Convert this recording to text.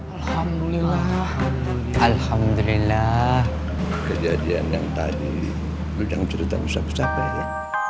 alhamdulillah alhamdulillah kejadian yang tadi udah menceritain siapa siapa ya